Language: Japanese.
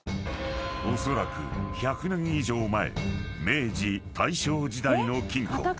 ［おそらく１００年以上前明治・大正時代の金庫］